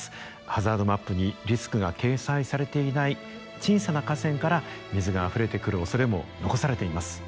ハザードマップにリスクが掲載されていない小さな河川から水があふれてくるおそれも残されています。